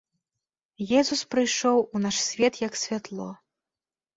Езус прыйшоў у наш свет як святло.